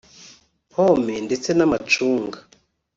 pomme ndetse n’amacunga